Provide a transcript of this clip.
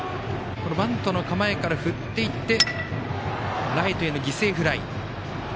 バントの構えから振っていってライトへの犠牲フライ。